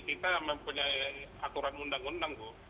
kita mempunyai aturan undang undang bu